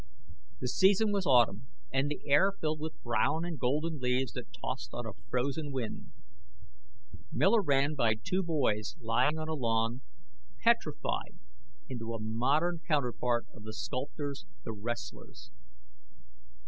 The season was autumn, and the air filled with brown and golden leaves that tossed on a frozen wind. Miller ran by two boys lying on a lawn, petrified into a modern counterpart of the sculptor's "The Wrestlers."